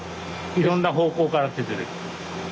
いろんな方向から削れる。